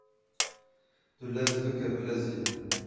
Tu lez bike bilezîne